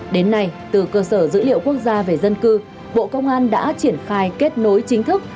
đến nay từ cơ sở dữ liệu quốc gia về dân cư bộ công an đã triển khai kết nối chính thức